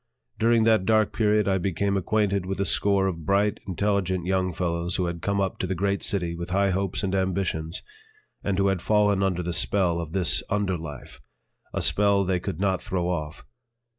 During that dark period I became acquainted with a score of bright, intelligent young fellows who had come up to the great city with high hopes and ambitions and who had fallen under the spell of this under life, a spell they could not throw off.